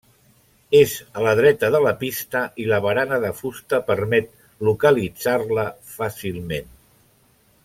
És a la dreta de la pista i la barana de fusta permet localitzar-la fàcilment.